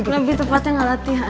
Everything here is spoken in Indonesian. lebih tepatnya gak latihan